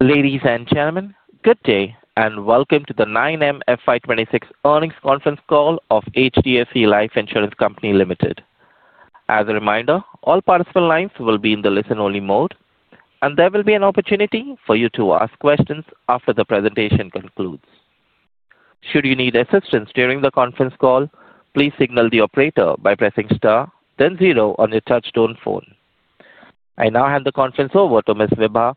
Ladies and gentlemen, good day and welcome to the 9M FY 2026 Earnings Conference Call of HDFC Life Insurance Company Limited. As a reminder, all participant lines will be in the listen-only mode, and there will be an opportunity for you to ask questions after the presentation concludes. Should you need assistance during the conference call, please signal the operator by pressing star, then zero on your touchtone phone. I now hand the conference over to Ms. Vibha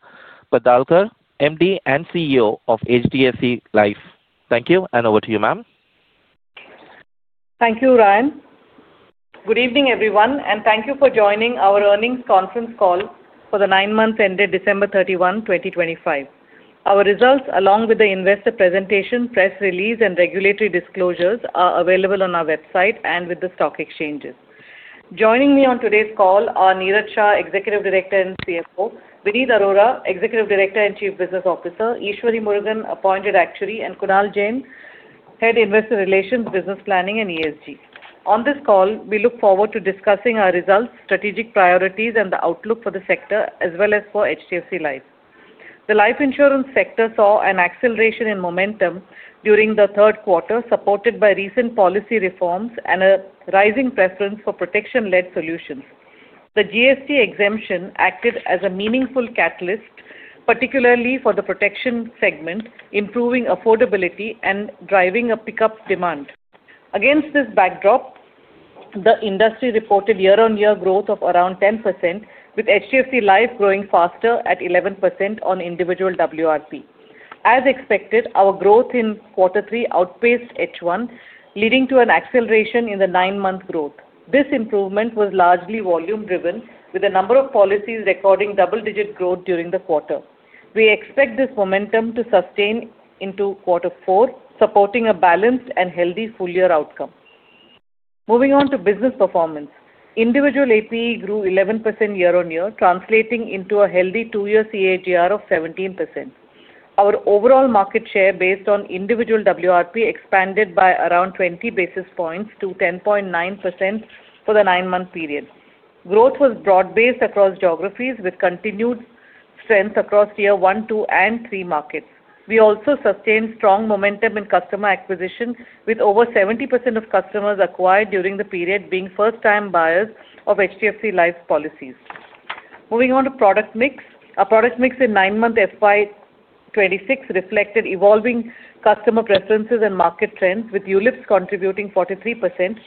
Padalkar, MD and CEO of HDFC Life. Thank you, and over to you, ma'am. Thank you, Ryan. Good evening, everyone, and thank you for joining our earnings conference call for the nine months ended December 31, 2025. Our results, along with the investor presentation, press release, and regulatory disclosures, are available on our website and with the stock exchanges. Joining me on today's call are Niraj Shah, Executive Director and CFO, Vineet Arora, Executive Director and Chief Business Officer, Eshwari Murugan, Appointed Actuary, and Kunal Jain, Head Investor Relations, Business Planning, and ESG. On this call, we look forward to discussing our results, strategic priorities, and the outlook for the sector, as well as for HDFC Life. The life insurance sector saw an acceleration in momentum during the third quarter, supported by recent policy reforms and a rising preference for protection-led solutions. The GST exemption acted as a meaningful catalyst, particularly for the protection segment, improving affordability and driving a pickup demand. Against this backdrop, the industry reported year-on-year growth of around 10%, with HDFC Life growing faster at 11% on individual WRP. As expected, our growth in quarter three outpaced H1, leading to an acceleration in the nine-month growth. This improvement was largely volume-driven, with a number of policies recording double-digit growth during the quarter. We expect this momentum to sustain into quarter four, supporting a balanced and healthy full-year outcome. Moving on to business performance, individual APE grew 11% year-on-year, translating into a healthy two-year CAGR of 17%. Our overall market share based on individual WRP expanded by around 20 basis points to 10.9% for the nine-month period. Growth was broad-based across geographies, with continued strength across Tier 1, 2, and 3 markets. We also sustained strong momentum in customer acquisition, with over 70% of customers acquired during the period being first-time buyers of HDFC Life's policies. Moving on to product mix, a product mix in nine-month FY 2026 reflected evolving customer preferences and market trends, with ULIPs contributing 43%,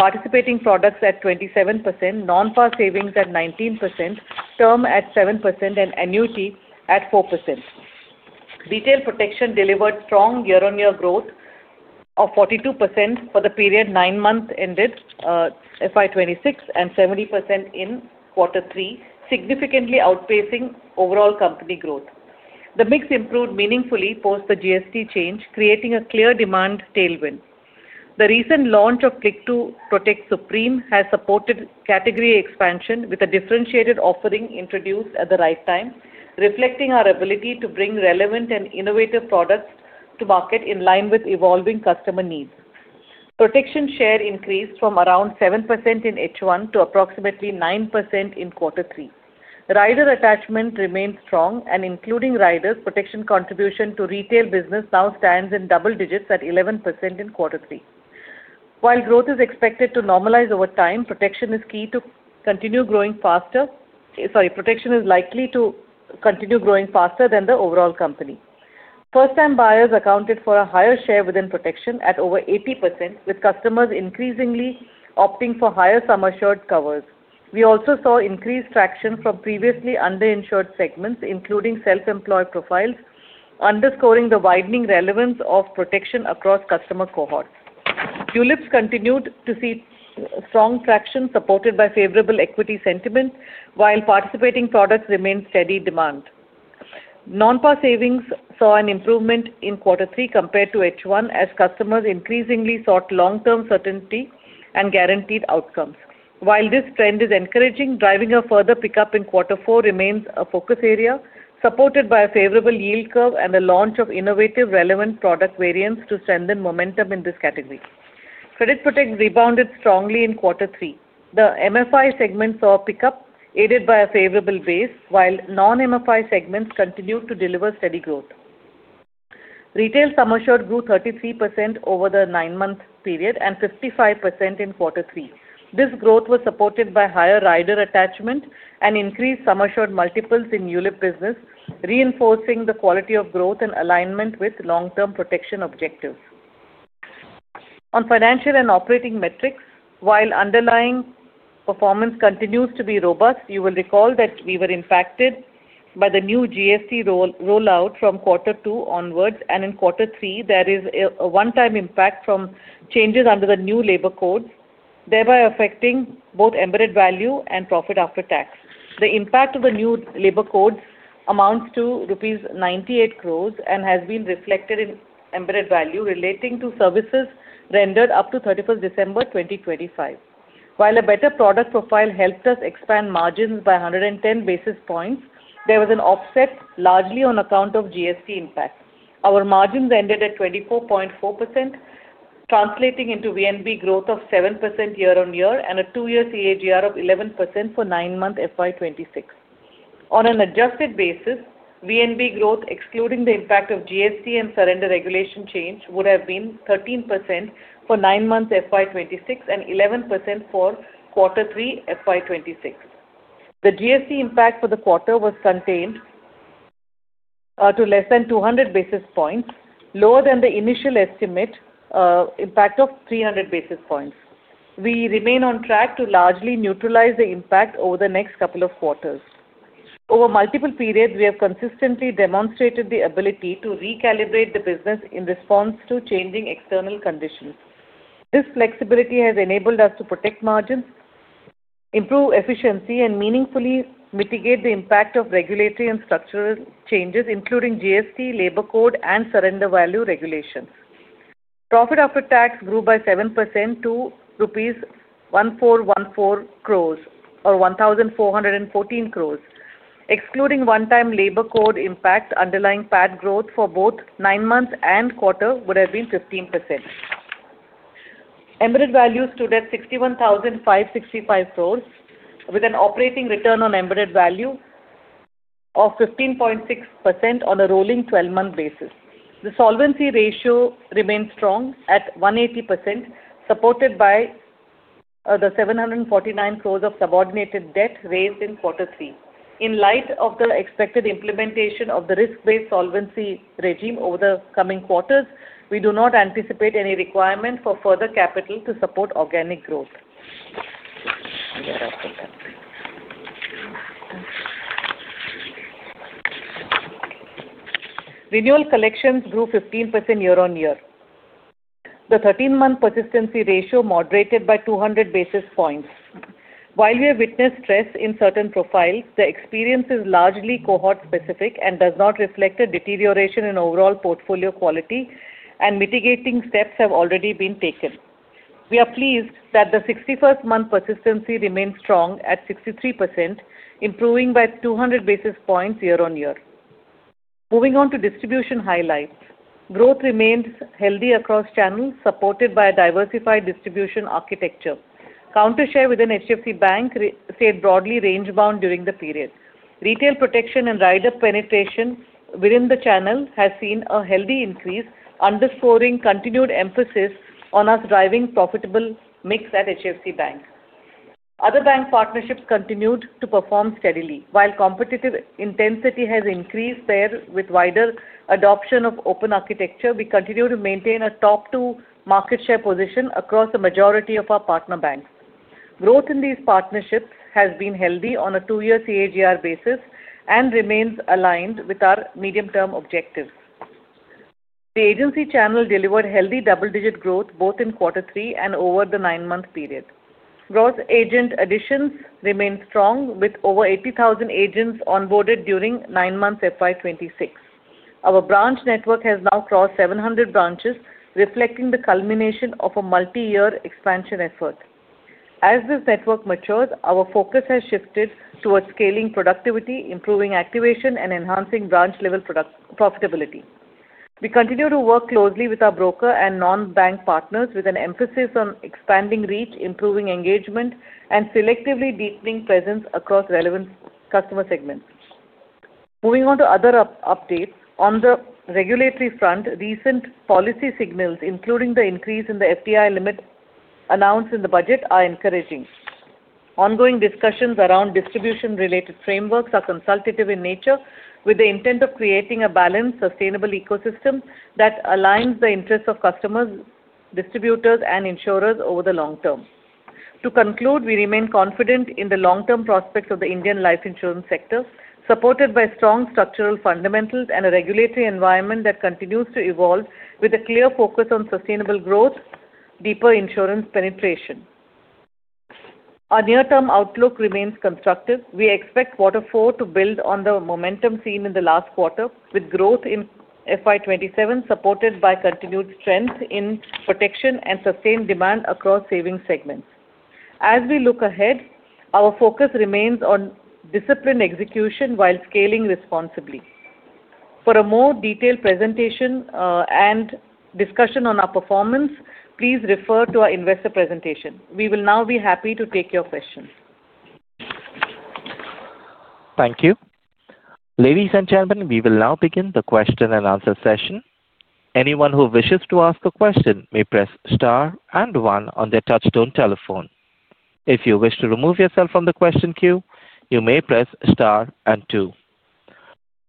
participating products at 27%, non-par savings at 19%, term at 7%, and annuity at 4%. Retail protection delivered strong year-on-year growth of 42% for the period nine months ended FY 2026 and 70% in quarter three, significantly outpacing overall company growth. The mix improved meaningfully post the GST change, creating a clear demand tailwind. The recent launch of Click 2 Protect Supreme has supported category expansion with a differentiated offering introduced at the right time, reflecting our ability to bring relevant and innovative products to market in line with evolving customer needs. Protection share increased from around 7% in H1 to approximately 9% in quarter three. Rider attachment remained strong, and including riders, protection contribution to retail business now stands in double digits at 11% in quarter three. While growth is expected to normalize over time, protection is key to continue growing faster than the overall company. First-time buyers accounted for a higher share within protection at over 80%, with customers increasingly opting for higher sum assured covers. We also saw increased traction from previously underinsured segments, including self-employed profiles, underscoring the widening relevance of protection across customer cohorts. ULIPs continued to see strong traction supported by favorable equity sentiment, while participating products remained steady demand. Non-par savings saw an improvement in quarter three compared to H1, as customers increasingly sought long-term certainty and guaranteed outcomes. While this trend is encouraging, driving a further pickup in quarter four remains a focus area, supported by a favorable yield curve and the launch of innovative relevant product variants to strengthen momentum in this category. Credit Protect rebounded strongly in quarter three. The MFI segment saw a pickup aided by a favorable base, while non-MFI segments continued to deliver steady growth. Retail sum assured grew 33% over the nine-month period and 55% in quarter three. This growth was supported by higher rider attachment and increased sum assured multiples in ULIP business, reinforcing the quality of growth and alignment with long-term protection objectives. On financial and operating metrics, while underlying performance continues to be robust, you will recall that we were impacted by the new GST rollout from quarter two onwards, and in quarter three, there is a one-time impact from changes under the new Labour Codes, thereby affecting both embedded value and profit after tax. The impact of the new Labour Codes amounts to rupees 98 crores and has been reflected in embedded value relating to services rendered up to 31st December 2025. While a better product profile helped us expand margins by 110 basis points, there was an offset largely on account of GST impact. Our margins ended at 24.4%, translating into VNB growth of 7% year-on-year and a two-year CAGR of 11% for nine-month FY 2026. On an adjusted basis, VNB growth, excluding the impact of GST and surrender regulation change, would have been 13% for nine-month FY 2026 and 11% for quarter three FY 2026. The GST impact for the quarter was contained to less than 200 basis points, lower than the initial estimate impact of 300 basis points. We remain on track to largely neutralize the impact over the next couple of quarters. Over multiple periods, we have consistently demonstrated the ability to recalibrate the business in response to changing external conditions. This flexibility has enabled us to protect margins, improve efficiency, and meaningfully mitigate the impact of regulatory and structural changes, including GST, Labour Code, and surrender value regulations. Profit after tax grew by 7% to 1,414 crores. Excluding one-time Labour Code impact, underlying PAT growth for both nine months and quarter would have been 15%. Embedded value stood at 61,565 crores, with an operating return on embedded value of 15.6% on a rolling 12-month basis. The solvency ratio remained strong at 180%, supported by the 749 crores of subordinated debt raised in quarter three. In light of the expected implementation of the risk-based solvency regime over the coming quarters, we do not anticipate any requirement for further capital to support organic growth. Renewal collections grew 15% year-on-year. The 13-month persistency ratio moderated by 200 basis points. While we have witnessed stress in certain profiles, the experience is largely cohort-specific and does not reflect a deterioration in overall portfolio quality, and mitigating steps have already been taken. We are pleased that the 61st month persistency remained strong at 63%, improving by 200 basis points year-on-year. Moving on to distribution highlights. Growth remained healthy across channels, supported by a diversified distribution architecture. Counter share within HDFC Bank stayed broadly range-bound during the period. Retail protection and rider penetration within the channel has seen a healthy increase, underscoring continued emphasis on us driving profitable mix at HDFC Bank. Other bank partnerships continued to perform steadily. While competitive intensity has increased there with wider adoption of open architecture, we continue to maintain a top-to-market share position across the majority of our partner banks. Growth in these partnerships has been healthy on a two-year CAGR basis and remains aligned with our medium-term objectives. The agency channel delivered healthy double-digit growth both in quarter three and over the nine-month period. Gross agent additions remained strong, with over 80,000 agents onboarded during nine-month FY 2026. Our branch network has now crossed 700 branches, reflecting the culmination of a multi-year expansion effort. As this network matures, our focus has shifted towards scaling productivity, improving activation, and enhancing branch-level profitability. We continue to work closely with our broker and non-bank partners, with an emphasis on expanding reach, improving engagement, and selectively deepening presence across relevant customer segments. Moving on to other updates. On the regulatory front, recent policy signals, including the increase in the FDI limit announced in the budget, are encouraging. Ongoing discussions around distribution-related frameworks are consultative in nature, with the intent of creating a balanced, sustainable ecosystem that aligns the interests of customers, distributors, and insurers over the long term. To conclude, we remain confident in the long-term prospects of the Indian life insurance sector, supported by strong structural fundamentals and a regulatory environment that continues to evolve with a clear focus on sustainable growth, deeper insurance penetration. Our near-term outlook remains constructive. We expect quarter four to build on the momentum seen in the last quarter, with growth in FY 2027 supported by continued strength in protection and sustained demand across savings segments. As we look ahead, our focus remains on disciplined execution while scaling responsibly. For a more detailed presentation and discussion on our performance, please refer to our investor presentation. We will now be happy to take your questions. Thank you. Ladies and gentlemen, we will now begin the question and answer session. Anyone who wishes to ask a question may press star and one on their touch-tone telephone. If you wish to remove yourself from the question queue, you may press star and two.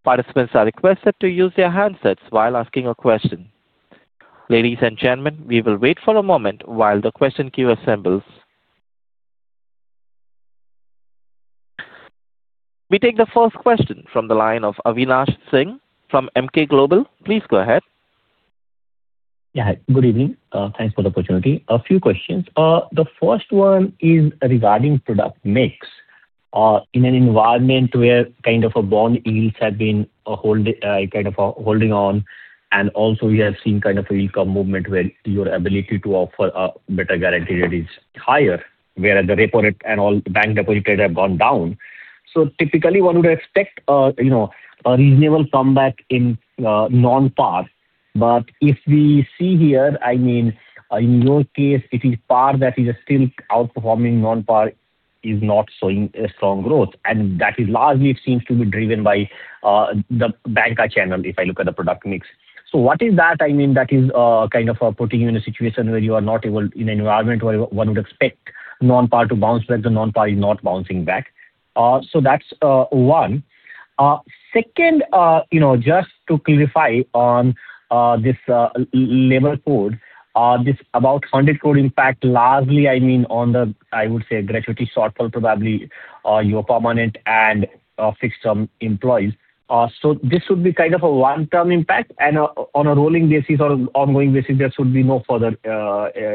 Participants are requested to use their handsets while asking a question. Ladies and gentlemen, we will wait for a moment while the question queue assembles. We take the first question from the line of Avinash Singh from Emkay Global. Please go ahead. Yeah, good evening. Thanks for the opportunity. A few questions. The first one is regarding product mix. In an environment where kind of a bond yields have been kind of holding on, and also we have seen kind of a recurrent movement where your ability to offer a better guarantee rate is higher, whereas the reported and all bank deposit rate have gone down. So typically, one would expect a reasonable comeback in non-par. But if we see here, I mean, in your case, it is par that is still outperforming. Non-par is not showing strong growth, and that largely seems to be driven by the bancassurance channel if I look at the product mix. So what is that? I mean, that is kind of putting you in a situation where you are not able in an environment where one would expect non-par to bounce back. The non-par is not bouncing back. So that's one. Second, just to clarify on this Labour Code, this about ₹100 crore impact largely, I mean, on the, I would say, a gratuity shortfall, probably your permanent and fixed-term employees. So this would be kind of a one-time impact, and on a rolling basis or ongoing basis, there should be no further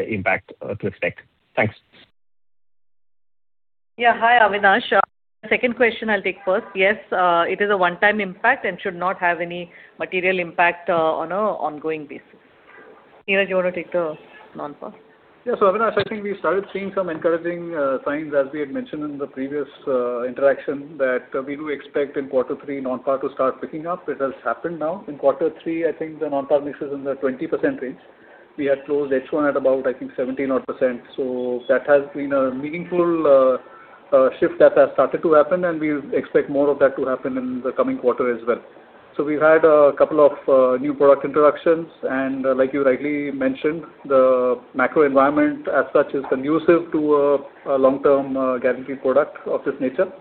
impact to expect. Thanks. Yeah, hi, Avinash. Second question I'll take first. Yes, it is a one-time impact and should not have any material impact on an ongoing basis. Niraj, you want to take the non-par? Yeah, so Avinash, I think we started seeing some encouraging signs, as we had mentioned in the previous interaction, that we do expect in quarter three non-par to start picking up. It has happened now. In quarter three, I think the non-par mix is in the 20% range. We had closed H1 at about, I think, 17%. So that has been a meaningful shift that has started to happen, and we expect more of that to happen in the coming quarter as well. So we've had a couple of new product introductions, and like you rightly mentioned, the macro environment as such is conducive to a long-term guaranteed product of this nature.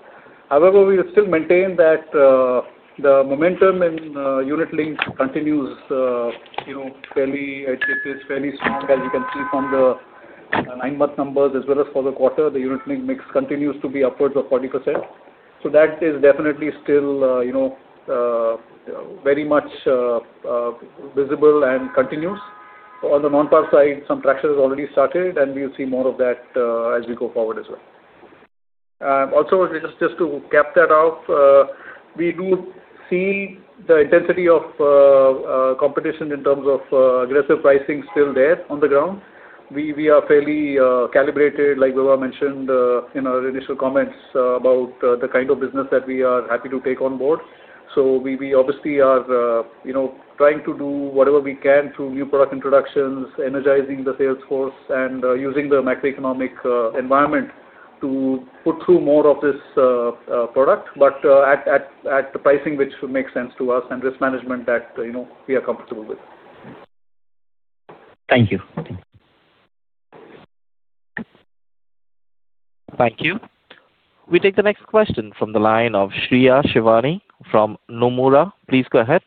However, we still maintain that the momentum in unit-linked continues fairly, I'd say, fairly strong, as you can see from the nine-month numbers, as well as for the quarter, the unit-linked mix continues to be upwards of 40%. So that is definitely still very much visible and continues. On the non-par side, some traction has already started, and we'll see more of that as we go forward as well. Also, just to cap that off, we do see the intensity of competition in terms of aggressive pricing still there on the ground. We are fairly calibrated, like Vibha mentioned in our initial comments about the kind of business that we are happy to take on board. So we obviously are trying to do whatever we can through new product introductions, energizing the salesforce, and using the macroeconomic environment to put through more of this product, but at the pricing which makes sense to us and risk management that we are comfortable with. Thank you. Thank you. We take the next question from the line of Shreya Shivani from Nomura. Please go ahead.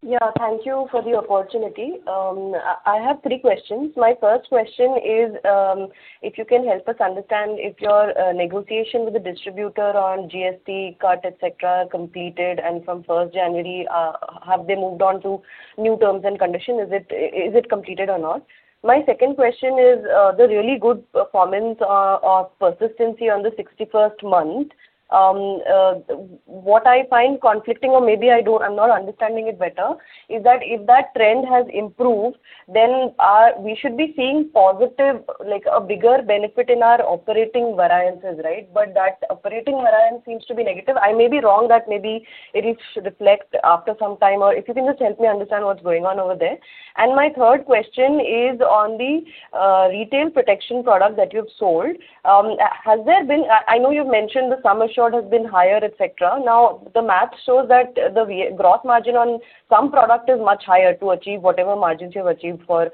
Yeah, thank you for the opportunity. I have three questions. My first question is if you can help us understand if your negotiation with the distributor on GST cut, etc., completed, and from 1st January, have they moved on to new terms and conditions? Is it completed or not? My second question is the really good performance of persistency on the 61st month. What I find conflicting, or maybe I'm not understanding it better, is that if that trend has improved, then we should be seeing positive, like a bigger benefit in our operating variances, right? But that operating variance seems to be negative. I may be wrong that maybe it reflects after some time, or if you can just help me understand what's going on over there. And my third question is on the retail protection product that you've sold. Has there been, I know you've mentioned the sum assured has been higher, etc. Now, the math shows that the gross margin on some product is much higher to achieve whatever margins you've achieved for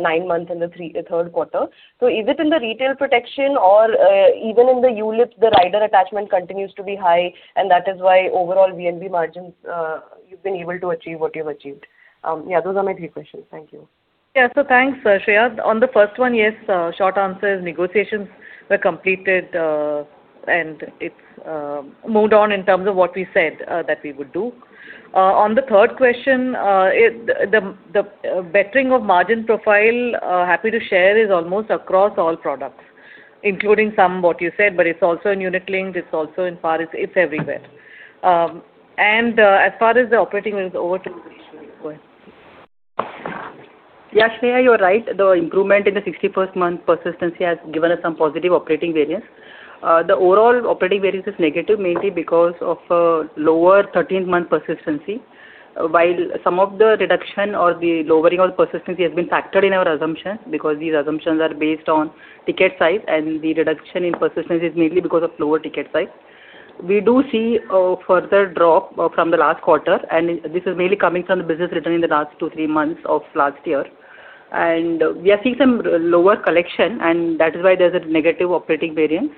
nine months in the third quarter. So is it in the retail protection or even in the ULIP, the rider attachment continues to be high, and that is why overall VNB margins you've been able to achieve what you've achieved? Yeah, those are my three questions. Thank you. Yeah, so thanks, Shreya. On the first one, yes, short answer, negotiations were completed, and it's moved on in terms of what we said that we would do. On the third question, the bettering of margin profile, happy to share, is almost across all products, including some what you said, but it's also in unit-linked, it's also in par, it's everywhere. And as far as the operating variance over to Eshwari—go ahead. Yeah, Shreya, you're right. The improvement in the 61st month persistency has given us some positive operating variance. The overall operating variance is negative, mainly because of lower 13th month persistency, while some of the reduction or the lowering of the persistency has been factored in our assumptions because these assumptions are based on ticket size, and the reduction in persistency is mainly because of lower ticket size. We do see a further drop from the last quarter, and this is mainly coming from the business return in the last two to three months of last year. We are seeing some lower collection, and that is why there's a negative operating variance.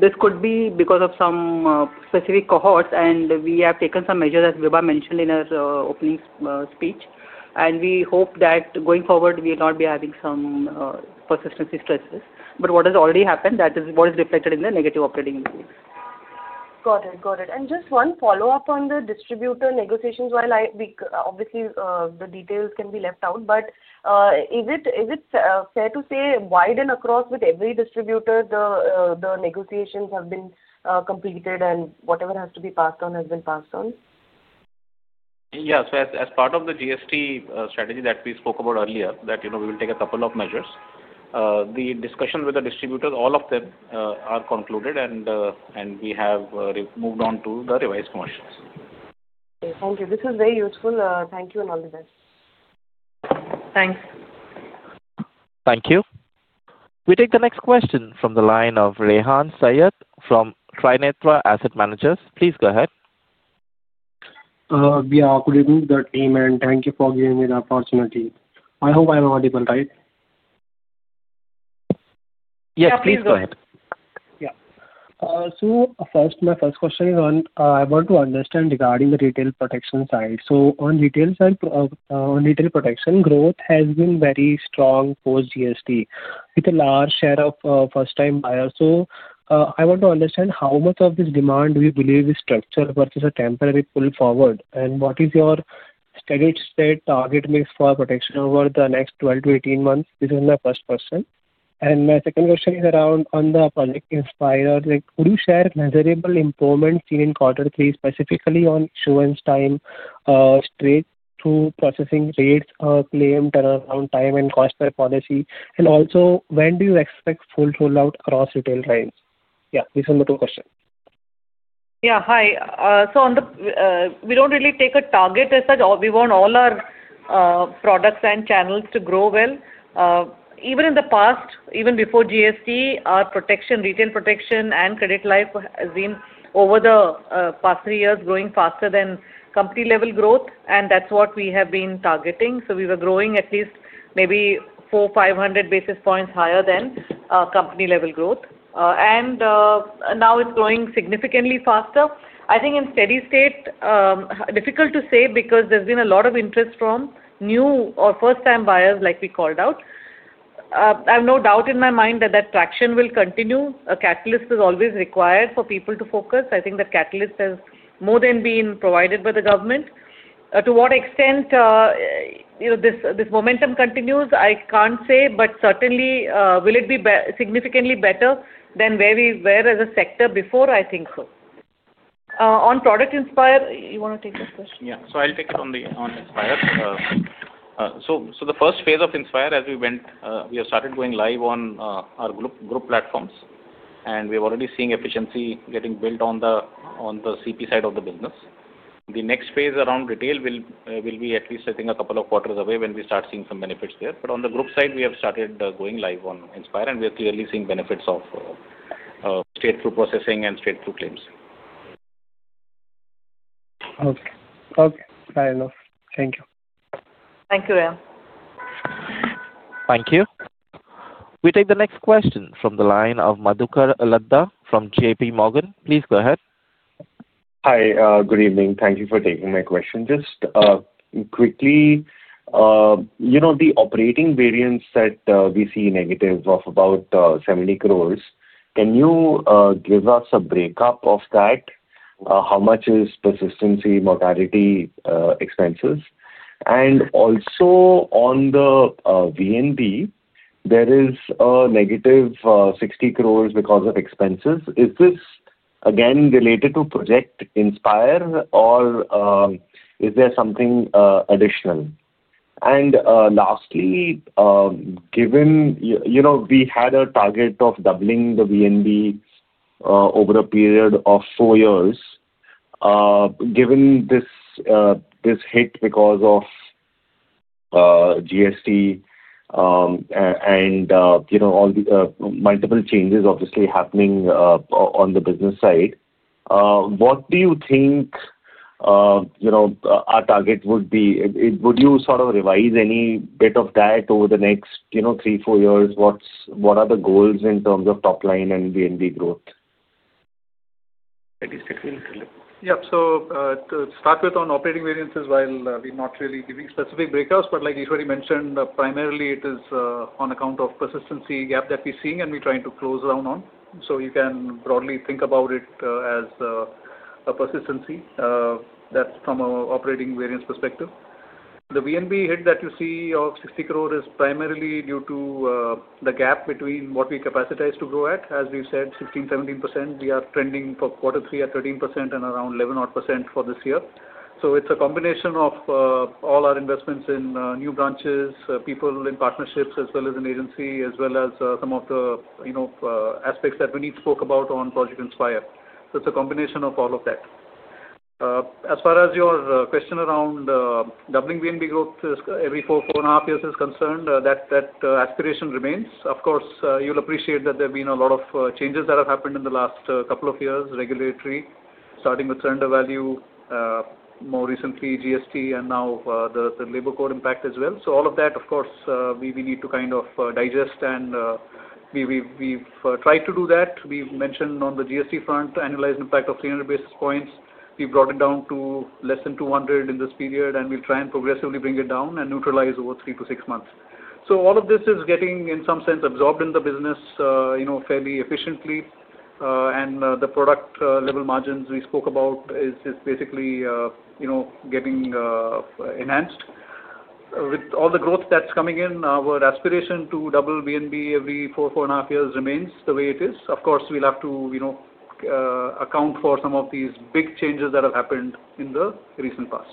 This could be because of some specific cohorts, and we have taken some measures as Vibha mentioned in her opening speech, and we hope that going forward, we will not be having some persistency stresses. But what has already happened, that is what is reflected in the negative operating variance. Got it. And just one follow-up on the distributor negotiations, while obviously the details can be left out, but is it fair to say wide and across with every distributor the negotiations have been completed and whatever has to be passed on has been passed on? Yes, as part of the GST strategy that we spoke about earlier, that we will take a couple of measures. The discussion with the distributors, all of them are concluded, and we have moved on to the revised commercials. Thank you. This was very useful. Thank you and all the best. Thanks. Thank you. We take the next question from the line of Rehan Syed from Trinetra Asset Management. Please go ahead. Yeah, good evening, good evening, and thank you for giving me the opportunity. I hope I'm audible, right? Yes, please go ahead. Yeah. So first, my first question is on, I want to understand regarding the retail protection side. So on retail side, on retail protection, growth has been very strong post-GST with a large share of first-time buyers. So I want to understand how much of this demand do you believe is structured versus a temporary pull forward, and what is your steady-state target mix for protection over the next 12-18 months? This is my first question. And my second question is around on the Project Inspire, would you share measurable improvements seen in quarter three, specifically on issuance time, straight-through processing rates, claims turnaround time and cost per policy? And also, when do you expect full rollout across retail lines? Yeah, these are my two questions. Yeah, hi. So we don't really take a target as such. We want all our products and channels to grow well. Even in the past, even before GST, our protection, retail protection, and credit life has been over the past three years growing faster than company-level growth, and that's what we have been targeting. So we were growing at least maybe 400, 500 basis points higher than company-level growth. And now it's growing significantly faster. I think in steady state, difficult to say because there's been a lot of interest from new or first-time buyers, like we called out. I have no doubt in my mind that that traction will continue. A catalyst is always required for people to focus. I think that catalyst has more than been provided by the government. To what extent this momentum continues, I can't say, but certainly, will it be significantly better than where we were as a sector before? I think so. On Project Inspire, you want to take this question? Yeah, so I'll take it on the Inspire. So the first phase of Inspire, as we went, we have started going live on our group platforms, and we're already seeing efficiency getting built on the CP side of the business. The next phase around retail will be at least, I think, a couple of quarters away when we start seeing some benefits there. But on the group side, we have started going live on Inspire, and we are clearly seeing benefits of straight-through processing and straight-through claims. Okay. Fair enough. Thank you. Thank you, Rehan. Thank you. We take the next question from the line of Madhukar Ladha from J.P. Morgan. Please go ahead. Hi, good evening. Thank you for taking my question. Just quickly, the operating variance that we see negative of about 70 crore, can you give us a breakup of that? How much is persistency and mortality expenses? And also on the VNB, there is a negative 60 crores because of expenses. Is this again related to Project Inspire, or is there something additional? And lastly, given we had a target of doubling the VNB over a period of four years, given this hit because of GST and all the multiple changes obviously happening on the business side, what do you think our target would be? Would you sort of revise any bit of that over the next three, four years? What are the goals in terms of top line and VNB growth? Yeah, so to start with on operating variances, while we're not really giving specific breakouts, but like Eshwari mentioned, primarily it is on account of persistency gap that we're seeing, and we're trying to close down on. You can broadly think about it as a persistency from an operating variance perspective. The VNB hit that you see of 60 crore is primarily due to the gap between what we expected to grow at. As we've said, 16%, 17%, we are trending for quarter three at 13% and around 11% for this year. It's a combination of all our investments in new branches, people in partnerships, as well as an agency, as well as some of the aspects that we need to talk about on Project Inspire. It's a combination of all of that. As far as your question around doubling VNB growth every four, four and a half years is concerned, that aspiration remains. Of course, you'll appreciate that there have been a lot of changes that have happened in the last couple of years, regulatory, starting with surrender value, more recently GST, and now the Labour Codes impact as well. So all of that, of course, we need to kind of digest, and we've tried to do that. We've mentioned on the GST front, annualized impact of 300 basis points. We've brought it down to less than 200 in this period, and we'll try and progressively bring it down and neutralize over three to six months. So all of this is getting, in some sense, absorbed in the business fairly efficiently, and the product-level margins we spoke about is basically getting enhanced. With all the growth that's coming in, our aspiration to double VNB every four, four and a half years remains the way it is. Of course, we'll have to account for some of these big changes that have happened in the recent past.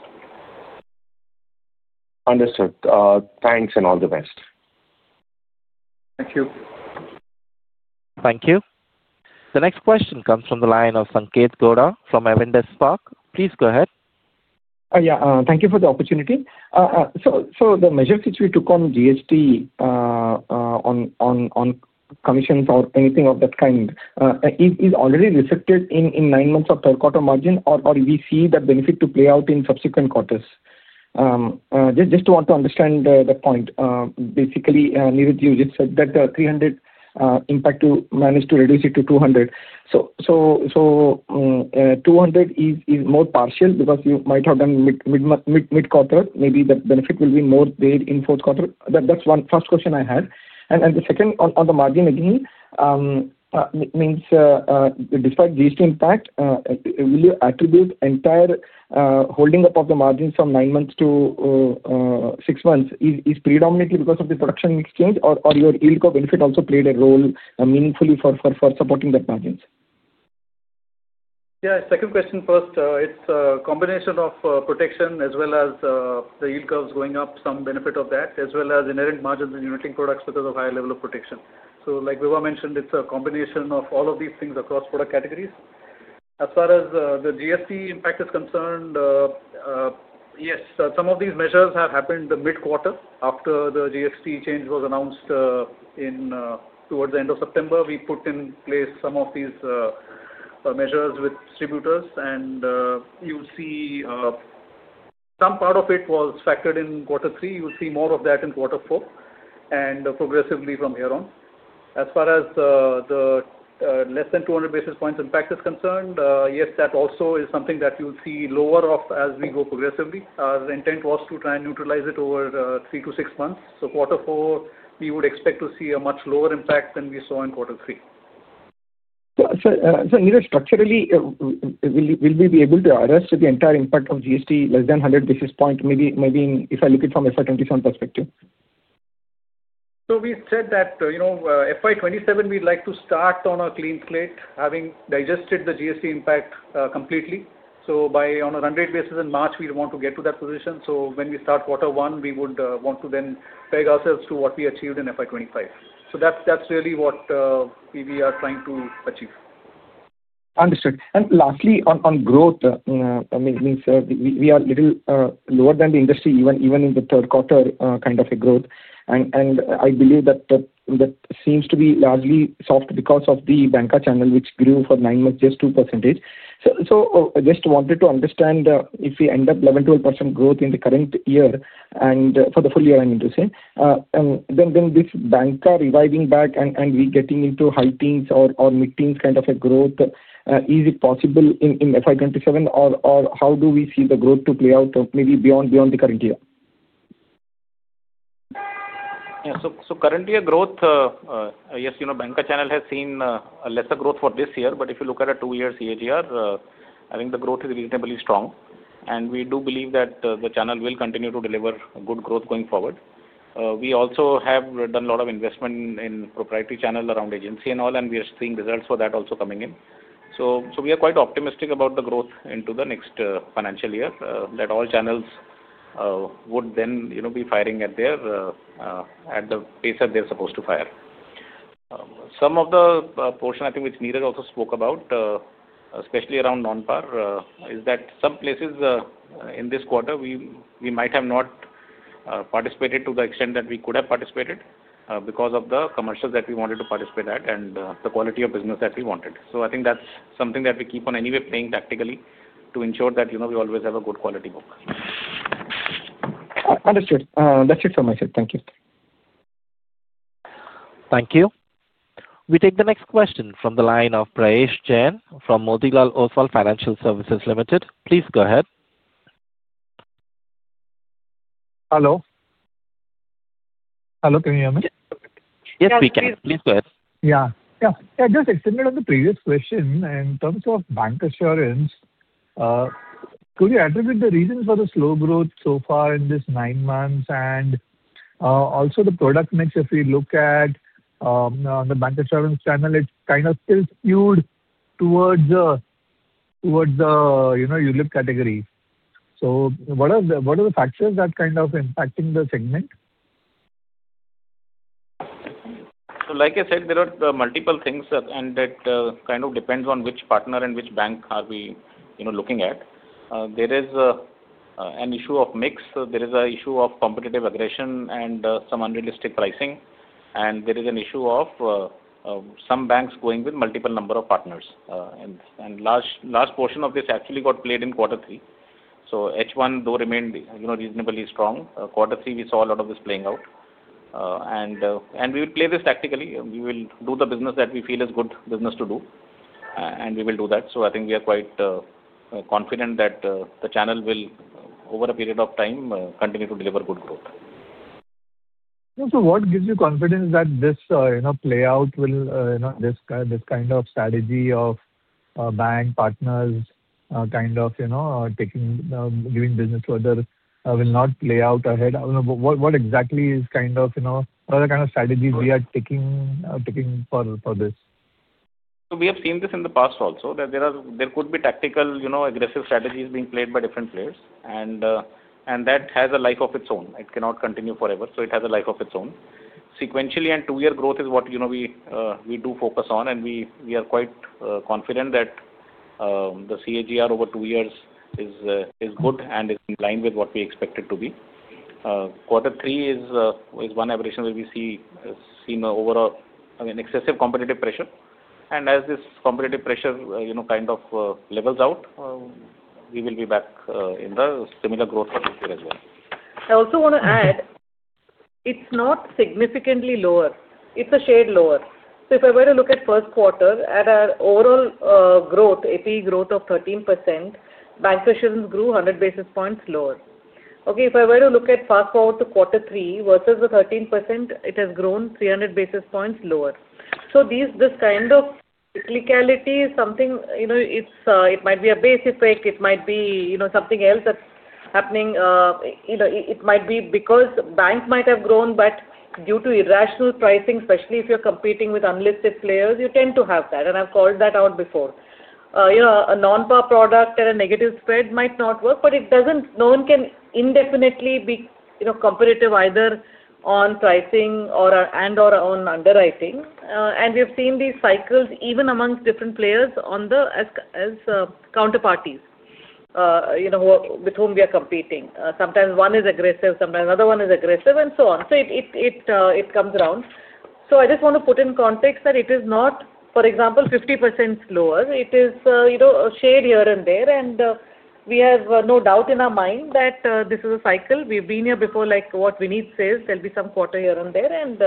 Understood. Thanks and all the best. Thank you. Thank you. The next question comes from the line of Sanketh Godha from Avendus Spark. Please go ahead. Yeah, thank you for the opportunity. So the measures which we took on GST on commissions or anything of that kind is already reflected in nine months of third quarter margin, or do we see the benefit to play out in subsequent quarters? Just want to understand the point. Basically, Niraj, you just said that 300 impact to manage to reduce it to 200. So 200 is more partial because you might have done mid-quarter. Maybe the benefit will be more there in fourth quarter. That's one first question I had. The second on the margin again means despite GST impact, will you attribute entire holding up of the margins from nine months to six months is predominantly because of the product mix, or your yield curve benefit also played a role meaningfully for supporting those margins? Yeah, second question first. It's a combination of protection as well as the yield curves going up, some benefit of that, as well as inherent margins and unit-linked products because of higher level of protection. So like Vibha mentioned, it's a combination of all of these things across product categories. As far as the GST impact is concerned, yes, some of these measures have happened mid-quarter after the GST change was announced towards the end of September. We put in place some of these measures with distributors, and you'll see some part of it was factored in quarter three. You'll see more of that in quarter four and progressively from here on. As far as the less than 200 basis points impact is concerned, yes, that also is something that you'll see lower of as we go progressively. Our intent was to try and neutralize it over three to six months. So quarter four, we would expect to see a much lower impact than we saw in quarter three. So structurally, will we be able to address the entire impact of GST less than 100 basis points, maybe if I look at from FY 2027 perspective? So we said that FY 2027, we'd like to start on a clean slate, having digested the GST impact completely. So on a run rate basis in March, we want to get to that position. So when we start quarter one, we would want to then peg ourselves to what we achieved in FY 2025. So that's really what we are trying to achieve. Understood. And lastly, on growth, I mean, we are a little lower than the industry, even in the third quarter kind of a growth. And I believe that seems to be largely soft because of the bank channel, which grew for nine months, just 2%. So just wanted to understand if we end up 11%-12% growth in the current year, and for the full year, I mean to say, then this bank reviving back and we getting into high teens or mid teens kind of a growth, is it possible in FY 2027, or how do we see the growth to play out maybe beyond the current year? Yeah, so current year growth, yes, bank channel has seen lesser growth for this year, but if you look at a two-year CAGR, I think the growth is reasonably strong. And we do believe that the channel will continue to deliver good growth going forward. We also have done a lot of investment in proprietary channel around agency and all, and we are seeing results for that also coming in. So we are quite optimistic about the growth into the next financial year, that all channels would then be firing at the pace that they're supposed to fire. Some of the portion, I think, which Niraj also spoke about, especially around non-PAR, is that some places in this quarter, we might have not participated to the extent that we could have participated because of the commercials that we wanted to participate at and the quality of business that we wanted. So I think that's something that we keep on anyway playing tactically to ensure that we always have a good quality book. Understood. That's it from my side. Thank you. Thank you. We take the next question from the line of Prayesh Jain from Motilal Oswal Financial Services Limited. Please go ahead. Hello. Can you hear me? Yes, we can. Please go ahead. Yeah. Just extending on the previous question, in terms of bancassurance, could you attribute the reason for the slow growth so far in this nine months? And also the product mix, if we look at the bancassurance channel, it kind of still skewed towards the unit category. So what are the factors that kind of impacting the segment? So like I said, there are multiple things, and it kind of depends on which partner and which bank are we looking at. There is an issue of mix. There is an issue of competitive aggression and some unrealistic pricing. And there is an issue of some banks going with multiple number of partners. A large portion of this actually got played in quarter three. So H1, though, remained reasonably strong. Quarter three, we saw a lot of this playing out. And we will play this tactically. We will do the business that we feel is good business to do, and we will do that. So I think we are quite confident that the channel will, over a period of time, continue to deliver good growth. So what gives you confidence that this play out, this kind of strategy of bank partners kind of taking business further, will not play out ahead? What exactly is kind of what are the kind of strategies we are taking for this? So we have seen this in the past also that there could be tactical aggressive strategies being played by different players, and that has a life of its own. It cannot continue forever. It has a life of its own. Sequentially and two-year growth is what we do focus on, and we are quite confident that the CAGR over two years is good and is in line with what we expected to be. Quarter three is one evolution where we see overall excessive competitive pressure. And as this competitive pressure kind of levels out, we will be back in the similar growth for this year as well. I also want to add, it's not significantly lower. It's a shade lower. So if I were to look at first quarter, at our overall growth, AP growth of 13%, bancassurance grew 100 basis points lower. Okay. If I were to look at fast forward to quarter three versus the 13%, it has grown 300 basis points lower. So this kind of cyclicality is something it might be a base effect. It might be something else that's happening. It might be because banks might have grown, but due to irrational pricing, especially if you're competing with unlisted players, you tend to have that, and I've called that out before. A non-par product at a negative spread might not work, but no one can indefinitely be competitive either on pricing and/or on underwriting, and we've seen these cycles even amongst different players as counterparties with whom we are competing. Sometimes one is aggressive, sometimes another one is aggressive, and so on, so it comes around, so I just want to put in context that it is not, for example, 50% lower. It is a shade here and there, and we have no doubt in our mind that this is a cycle. We've been here before. Like what Vineet says, there'll be some quarter here and there, and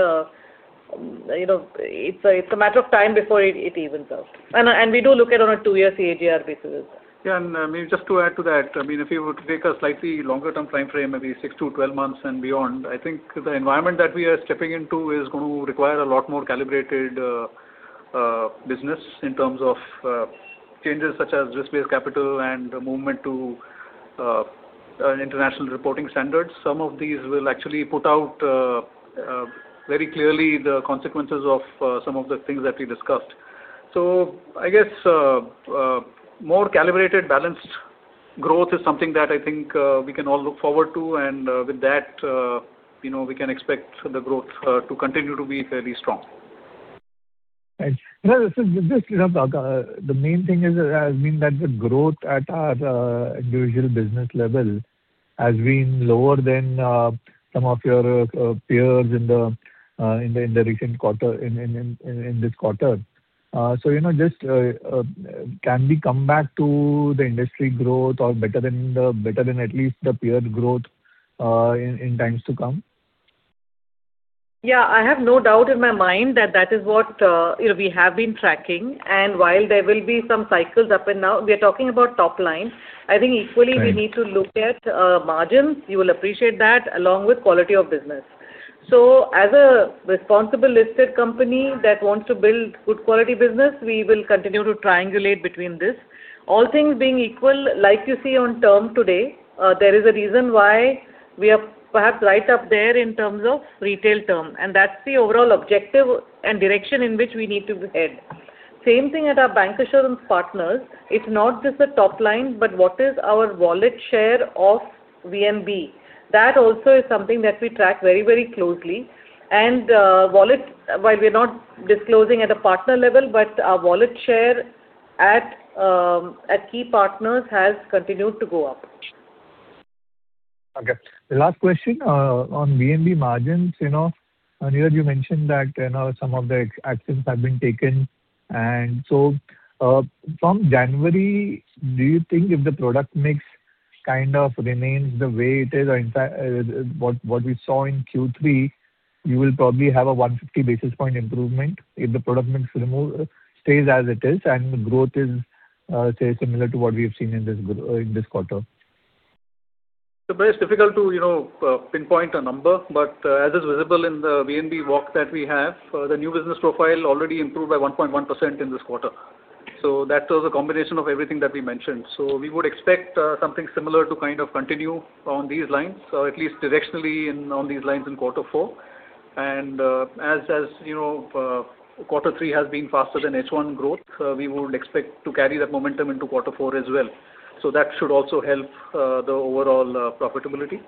it's a matter of time before it evens out, and we do look at on a two-year CAGR basis. Yeah, and maybe just to add to that, I mean, if you were to take a slightly longer-term time frame, maybe 6 to 12 months and beyond, I think the environment that we are stepping into is going to require a lot more calibrated business in terms of changes such as risk-based capital and movement to international reporting standards. Some of these will actually put out very clearly the consequences of some of the things that we discussed, so I guess more calibrated, balanced growth is something that I think we can all look forward to, and with that, we can expect the growth to continue to be fairly strong. Just the main thing is that the growth at our individual business level has been lower than some of your peers in the recent quarter, in this quarter. So can we come back to the industry growth or better than at least the peer growth in times to come? Yeah. I have no doubt in my mind that that is what we have been tracking. And while there will be some cycles up and down, we are talking about top line. I think equally, we need to look at margins. You will appreciate that, along with quality of business. So as a responsible listed company that wants to build good quality business, we will continue to triangulate between this. All things being equal, like you see on term today, there is a reason why we are perhaps right up there in terms of retail term. That's the overall objective and direction in which we need to head. Same thing at our bancassurance partners. It's not just the top line, but what is our wallet share of VNB? That also is something that we track very, very closely. And while we're not disclosing at a partner level, but our wallet share at key partners has continued to go up. Okay. The last question on VNB margins. Niraj, you mentioned that some of the actions have been taken. And so from January, do you think if the product mix kind of remains the way it is, what we saw in Q3, you will probably have a 150 basis points improvement if the product mix stays as it is and the growth is, say, similar to what we have seen in this quarter? So it's difficult to pinpoint a number, but as is visible in the VNB walk that we have, the new business profile already improved by 1.1% in this quarter. So that was a combination of everything that we mentioned. So we would expect something similar to kind of continue on these lines, at least directionally on these lines in quarter four. And as quarter three has been faster than H1 growth, we would expect to carry that momentum into quarter four as well. So that should also help the overall profitability.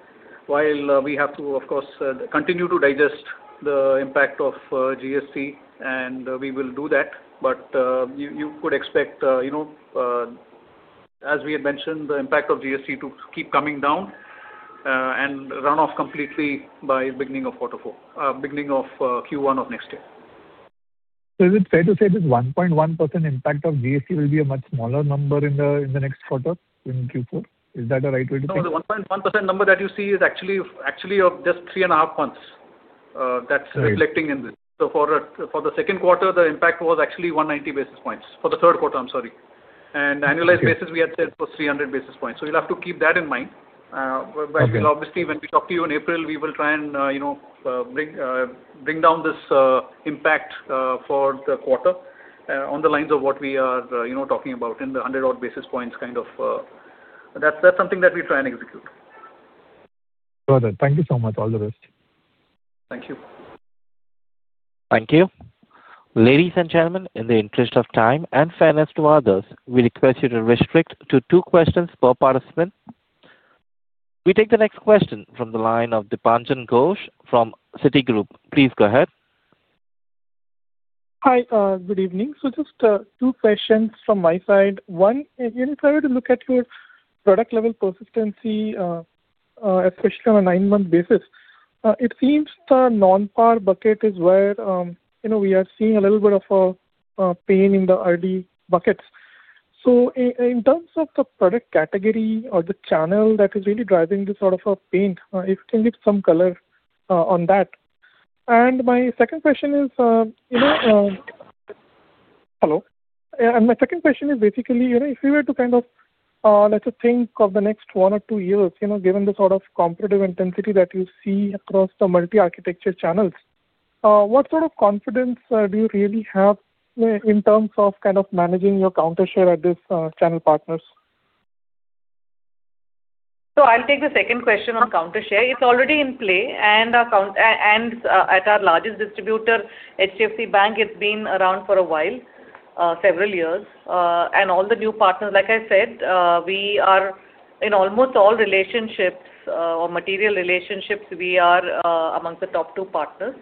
While we have to, of course, continue to digest the impact of GST, and we will do that. But you could expect, as we had mentioned, the impact of GST to keep coming down and run off completely by the beginning of Q1 of next year. So is it fair to say this 1.1% impact of GST will be a much smaller number in the next quarter in Q4? Is that a right way to think? The 1.1% number that you see is actually of just three and a half months, that's reflecting in this. So for the second quarter, the impact was actually 190 basis points. For the third quarter, I'm sorry. And annualized basis, we had said was 300 basis points. So you'll have to keep that in mind. But obviously, when we talk to you in April, we will try and bring down this impact for the quarter on the lines of what we are talking about in the 100-odd basis points kind of. That's something that we try and execute. Got it. Thank you so much. All the best. Thank you. Thank you. Ladies and gentlemen, in the interest of time and fairness to others, we request you to restrict to two questions per participant. We take the next question from the line of Dipanjan Ghosh from Citigroup. Please go ahead. Hi. Good evening. So just two questions from my side. One, in trying to look at your product-level persistency, especially on a nine-month basis, it seems the non-PAR bucket is where we are seeing a little bit of a pain in the early buckets. So in terms of the product category or the channel that is really driving this sort of a pain, if you can give some color on that. And my second question is-- My second question is basically, if you were to kind of let's think of the next one or two years, given the sort of competitive intensity that you see across the multi-architecture channels, what sort of confidence do you really have in terms of kind of managing your counter share at these channel partners? I'll take the second question on counter share. It's already in play. At our largest distributor, HDFC Bank, it's been around for a while, several years. All the new partners, like I said, we are in almost all relationships or material relationships, we are amongst the top two partners.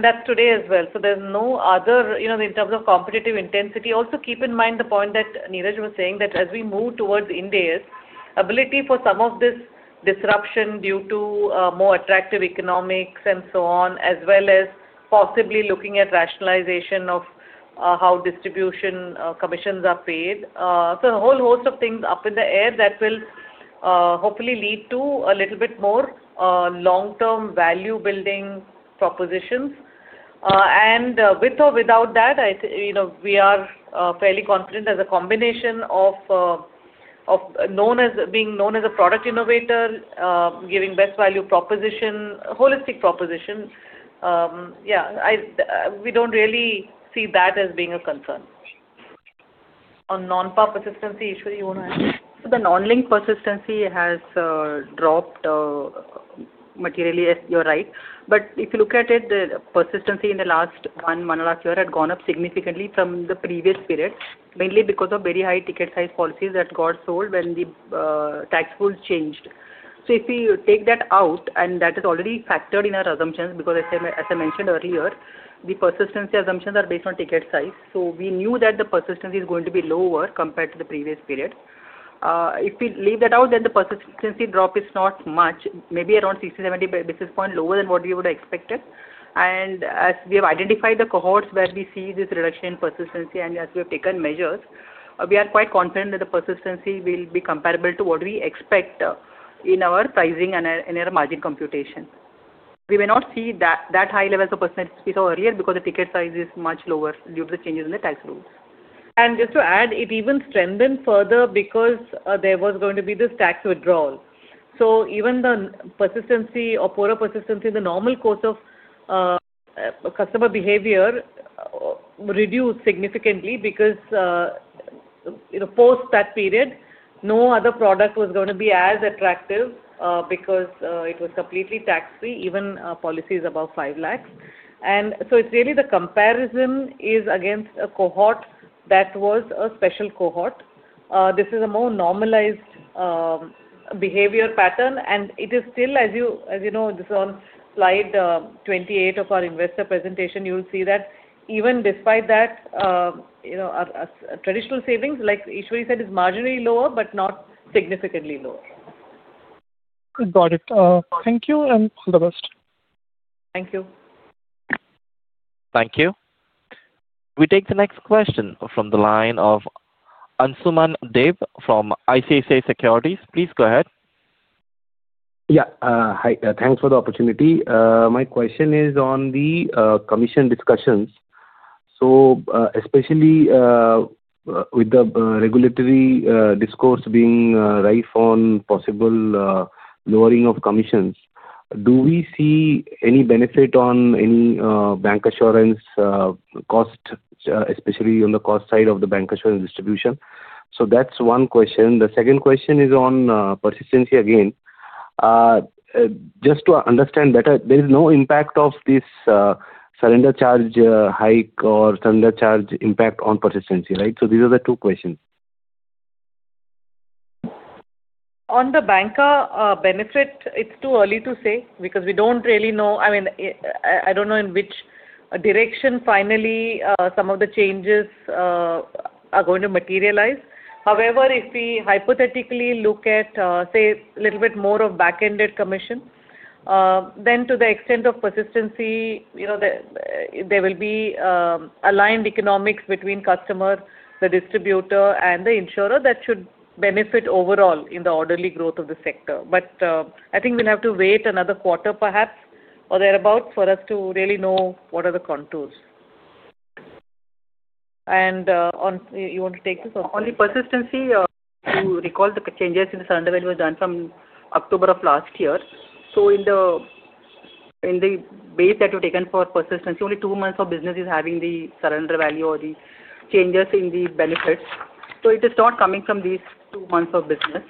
That's today as well. There's no other in terms of competitive intensity. Also keep in mind the point that Niraj was saying that as we move towards Ind AS, ability for some of this disruption due to more attractive economics and so on, as well as possibly looking at rationalization of how distribution commissions are paid. So a whole host of things up in the air that will hopefully lead to a little bit more long-term value-building propositions. And with or without that, we are fairly confident as a combination of being known as a product innovator, giving best value proposition, holistic proposition. Yeah. We don't really see that as being a concern. On non-par persistency, you want to add? The non-linked persistency has dropped materially, you're right. But if you look at it, the persistency in the last one and a half year had gone up significantly from the previous period, mainly because of very high ticket size policies that got sold when the tax rules changed. So if you take that out, and that is already factored in our assumptions, because as I mentioned earlier, the persistency assumptions are based on ticket size. So we knew that the persistency is going to be lower compared to the previous period. If we leave that out, then the persistency drop is not much, maybe around 60-70 basis points lower than what we would have expected. And as we have identified the cohorts where we see this reduction in persistency, and as we have taken measures, we are quite confident that the persistency will be comparable to what we expect in our pricing and in our margin computation. We may not see that high levels of persistency earlier because the ticket size is much lower due to the changes in the tax rules. And just to add, it even strengthened further because there was going to be this tax withdrawal. So even the persistency or poorer persistency in the normal course of customer behavior reduced significantly because post that period, no other product was going to be as attractive because it was completely tax-free, even policies above 500,000. And so it's really the comparison is against a cohort that was a special cohort. This is a more normalized behavior pattern, and it is still, as you know, this is on slide 28 of our investor presentation. You'll see that even despite that, traditional savings, like Eshwari said, is marginally lower, but not significantly lower. Got it. Thank you and all the best. Thank you. Thank you. We take the next question from the line of Ansuman Deb from ICICI Securities. Please go ahead. Yeah. Hi. Thanks for the opportunity. My question is on the commission discussions. So especially with the regulatory discourse being rife on possible lowering of commissions, do we see any benefit on any bancassurance cost, especially on the cost side of the bancassurance distribution? So that's one question. The second question is on persistency again. Just to understand better, there is no impact of this surrender charge hike or surrender charge impact on persistency, right? So these are the two questions. On the banca benefit, it's too early to say because we don't really know. I mean, I don't know in which direction finally some of the changes are going to materialize. However, if we hypothetically look at, say, a little bit more of back-ended commission, then to the extent of persistency, there will be aligned economics between customer, the distributor, and the insurer that should benefit overall in the orderly growth of the sector. But I think we'll have to wait another quarter, perhaps, or thereabouts for us to really know what are the contours. And you want to take this or? On the persistency, to recall the changes in the surrender value was done from October of last year. So in the base that we've taken for persistency, only two months of business is having the surrender value or the changes in the benefits. So it is not coming from these two months of business.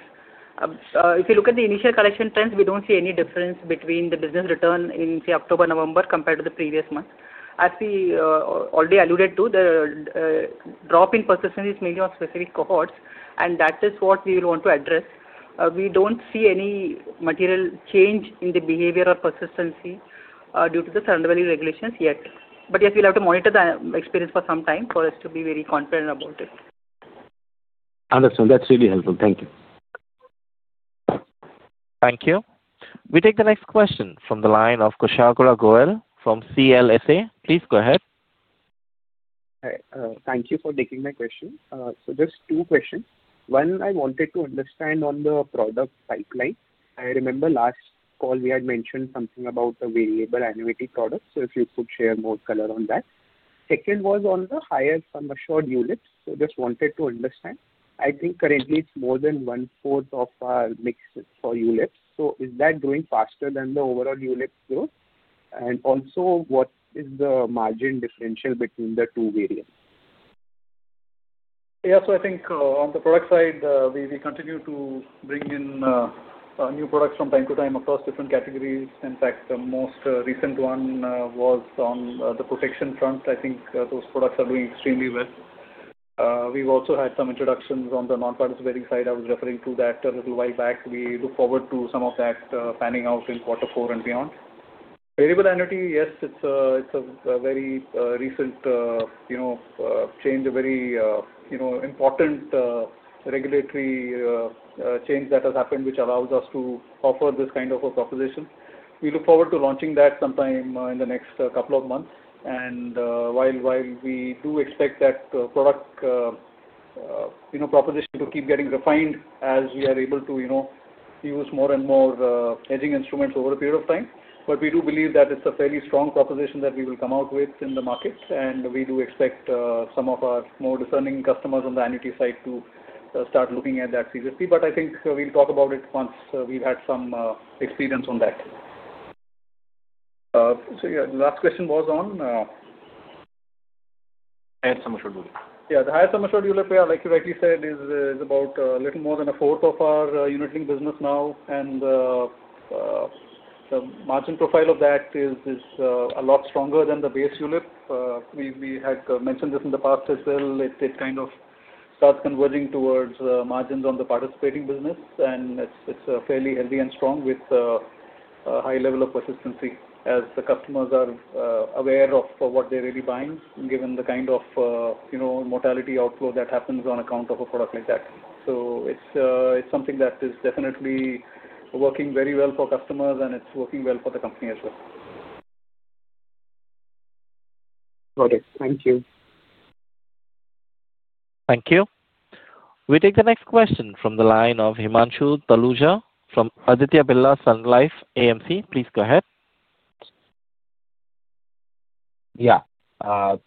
If you look at the initial collection trends, we don't see any difference between the business return in, say, October and November compared to the previous month. As we already alluded to, the drop in persistency is mainly on specific cohorts, and that is what we will want to address. We don't see any material change in the behavior or persistency due to the surrender value regulations yet. But yes, we'll have to monitor the experience for some time for us to be very confident about it. Understood. That's really helpful. Thank you. Thank you. We take the next question from the line of Kushagra Goel from CLSA. Please go ahead. Thank you for taking my question. So just two questions. One, I wanted to understand on the product pipeline. I remember last call we had mentioned something about the Variable Annuity product. So if you could share more color on that. Second was on the high-end non-par ULIPs. So just wanted to understand. I think currently it's more than 1/4 of our mix for ULIPs. So is that growing faster than the overall ULIPs growth? And also, what is the margin differential between the two variants? Yeah. So I think on the product side, we continue to bring in new products from time to time across different categories. In fact, the most recent one was on the protection front. I think those products are doing extremely well. We have also had some introductions on the non-participating side. I was referring to that a little while back. We look forward to some of that panning out in quarter four and beyond. Variable Annuity, yes, it's a very recent change, a very important regulatory change that has happened, which allows us to offer this kind of a proposition. We look forward to launching that sometime in the next couple of months. And while we do expect that product proposition to keep getting refined as we are able to use more and more hedging instruments over a period of time, but we do believe that it's a fairly strong proposition that we will come out with in the market. And we do expect some of our more discerning customers on the annuity side to start looking at that seriously. But I think we'll talk about it once we've had some experience on that. So yeah, the last question was on? Highest sum assured ULIPs. Yeah. The highest sum assured ULIPs, like you rightly said, is about a little more than a fourth of our unit-linked business now. And the margin profile of that is a lot stronger than the base ULIPs. We had mentioned this in the past as well. It kind of starts converging towards margins on the participating business, and it's fairly healthy and strong with a high level of persistency as the customers are aware of what they're really buying, given the kind of mortality outflow that happens on account of a product like that. So it's something that is definitely working very well for customers, and it's working well for the company as well. Got it. Thank you. Thank you. We take the next question from the line of Himanshu Taluja from Aditya Birla Sun Life AMC. Please go ahead. Yeah.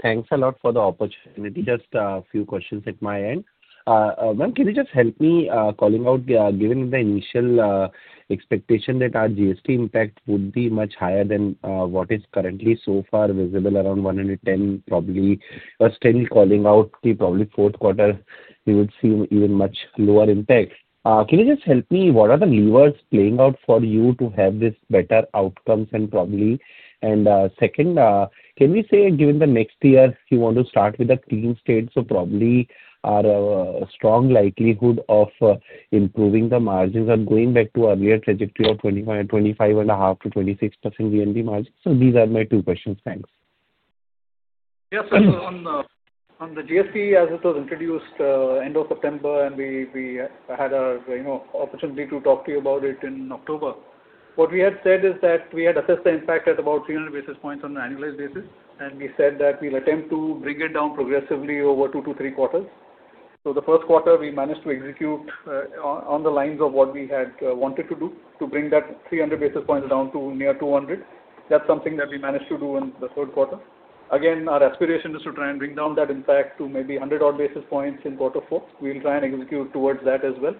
Thanks a lot for the opportunity. Just a few questions at my end. One, can you just help me calling out, given the initial expectation that our GST impact would be much higher than what is currently so far visible around 110, probably still calling out the probably fourth quarter, we would see even much lower impact. Can you just help me? What are the levers playing out for you to have this better outcomes and probably? And second, can we say, given the next year, you want to start with a clean state? So probably our strong likelihood of improving the margins and going back to our real trajectory of 25.5%-26% VNB margin. So these are my two questions. Thanks. Yes. So on the GST, as it was introduced end of September, and we had our opportunity to talk to you about it in October, what we had said is that we had assessed the impact at about 300 basis points on an annualized basis. And we said that we'll attempt to bring it down progressively over two to three quarters. So the first quarter, we managed to execute on the lines of what we had wanted to do to bring that 300 basis points down to near 200. That's something that we managed to do in the third quarter. Again, our aspiration is to try and bring down that impact to maybe odd 100 basis points in quarter four. We'll try and execute towards that as well.